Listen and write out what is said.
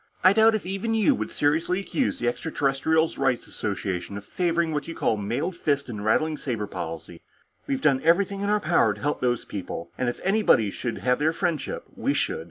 "I doubt if even you would seriously accuse the Extraterrestrials' Rights Association of favoring what you call a mailed fist and rattling saber policy. We've done everything in our power to help these people, and if anybody should have their friendship, we should.